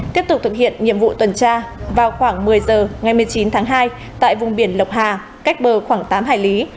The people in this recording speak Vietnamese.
tiếp tục thực hiện nhiệm vụ tuần tra vào khoảng một mươi giờ ngày một mươi chín tháng hai tại vùng biển lộc hà cách bờ khoảng tám hải lý